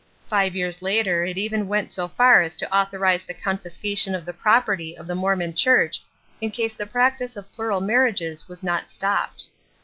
Five years later it even went so far as to authorize the confiscation of the property of the Mormon Church in case the practice of plural marriages was not stopped.